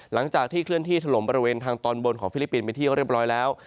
หลังจากที่เคลื่อนที่ถล่มบริเวณทางตอนบนของฟิลิปปินส์เป็นที่เรียบร้อยแล้ว